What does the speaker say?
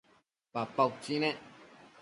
papa utsi nec